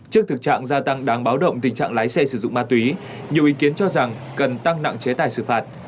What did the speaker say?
trước thực trạng gia tăng đáng báo động tình trạng lái xe sử dụng ma túy nhiều ý kiến cho rằng cần tăng nặng chế tài xử phạt